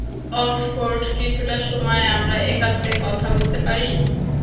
Oxford, কিছুটা সময় আমরা একান্তে কথা বলতে পারি?